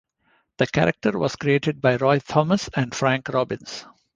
The character was created by Roy Thomas and Frank Robbins.